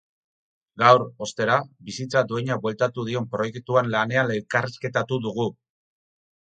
Gaur, ostera, bizitza duina bueltatu dion proiektuan lanean elkarrizketatu dugu.